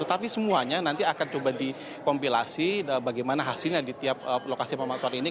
tetapi semuanya nanti akan coba dikompilasi bagaimana hasilnya di tiap lokasi pemantauan ini